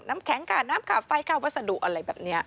น้ำแข็งค่าน้ำค่าไฟค่าวัสดุอะไรแบบนี้